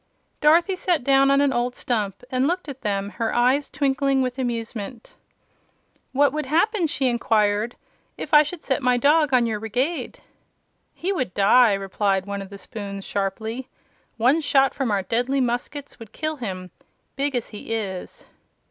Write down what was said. Dorothy sat down on an old stump and looked at them, her eyes twinkling with amusement. "What would happen," she inquired, "if I should set my dog on your Brigade?" "He would die," replied one of the spoons, sharply. "One shot from our deadly muskets would kill him, big as he is."